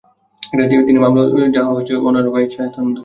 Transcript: DB মামলার তদন্ত করলেও র্যা বসহ অন্যান্য বাহিনী ছায়া তদন্ত করছে।